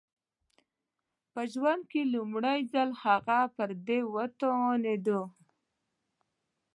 په ژوند کې لومړی ځل هغه پر دې وتوانېد